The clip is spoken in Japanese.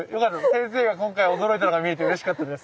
先生が今回驚いたのが見れてうれしかったです。